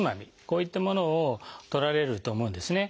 こういったものをとられると思うんですね。